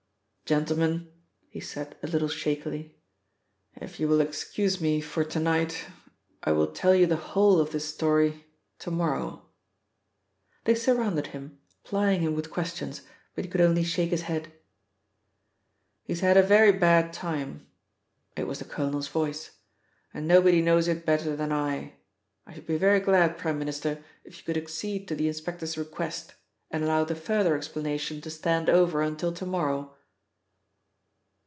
"Gentlemen," he said a little shakily, "if you will excuse me for to night I will tell you the whole of this story to morrow." They surrounded him, plying him with questions, but he could only shake his head. "He's had a very bad time," It was the colonel's voice, "and nobody knows it better than I. I should be very glad, Prime Minister, if you could accede to the inspector's request, and allow the further explanation to stand over until to morrow."